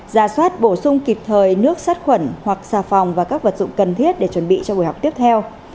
ra soát bổ sung kịp thời nước sát khuẩn hoặc xà phòng và các vật dụng cần thiết để chuẩn bị cho buổi học tiếp theo